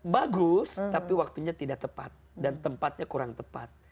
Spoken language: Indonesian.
bagus tapi waktunya tidak tepat dan tempatnya kurang tepat